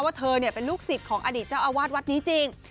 ว่าเธอเป็นลูกศิษย์ของอดีตเจ้าอาวาสวัดนี้จริง